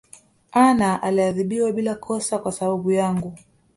Anna aliadhibiwa bila kosa kwasababu yangu